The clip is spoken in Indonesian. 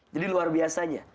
jadi luar biasanya